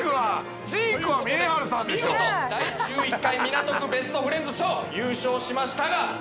という事で見事第１１回港区ベストフレンズＳＨＯＷ優勝しましたが。